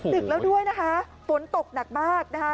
ติดแล้วด้วยนะคะฝนตกหนักมาก